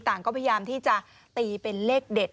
ต่างก็พยายามที่จะตีเป็นเลขเด็ด